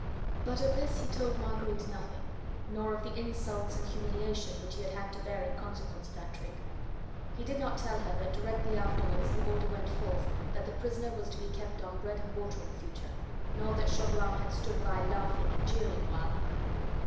But of this he told Marguerite nothing, nor of the insults and the humiliation which he had had to bear in consequence of that trick. He did not tell her that directly afterwards the order went forth that the prisoner was to be kept on bread and water in the future, nor that Chauvelin had stood by laughing and jeering while...